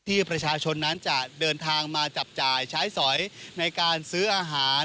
ที่ประชาชนนั้นจะเดินทางมาจับจ่ายใช้สอยในการซื้ออาหาร